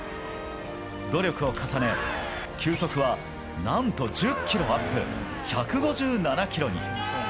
努力を重ね、球速はなんと１０キロアップ、１５７キロに。